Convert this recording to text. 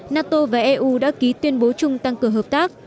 nato và eu đã ký tuyên bố chung tăng cường hợp tác